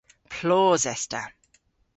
Plos es ta.